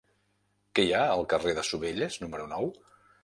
Què hi ha al carrer de Sovelles número nou?